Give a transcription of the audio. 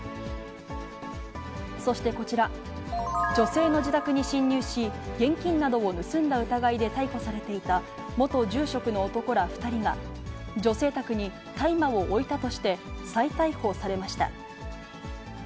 そしてこちら、女性の自宅に侵入し、現金などを盗んだ疑いで逮捕されていた元住職の男ら２人が、女性宅に大麻を置いたとして、再逮捕されました。